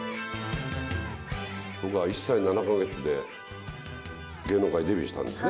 僕は１歳７か月で芸能界デビューしたんですね。